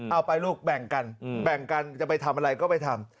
เอาไปลูกแบ่งกันแบ่งกันจะไปทำอะไรก็ไปทำ